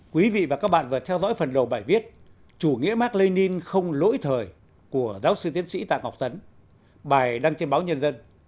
quý vị và các bạn vừa theo dõi phần đầu bài viết chủ nghĩa mark lenin không lỗi thời của giáo sư tiến sĩ tạ ngọc tấn bài đăng trên báo nhân dân